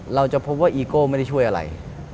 เราจะพบว่าอีโก้ไม่ได้ช่วยอะไร